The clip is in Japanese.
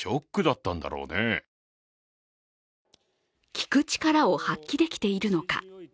聞く力を発揮できているのか。